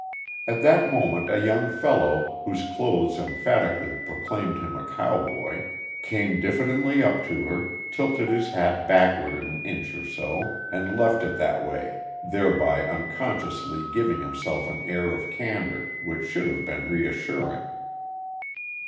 At that moment a young fellow, whose clothes emphatically proclaimed him a cowboy, came diffidently up to her, tilted his hat backward an inch or so, and left it that way, thereby unconsciously giving himself an air of candor which should have been reassuring.